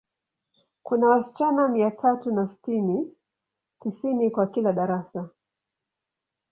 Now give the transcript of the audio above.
Kuna wasichana mia tatu na sitini, tisini kwa kila darasa.